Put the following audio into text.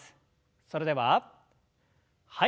それでははい。